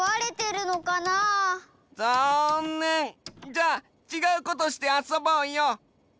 じゃあちがうことしてあそぼうよ！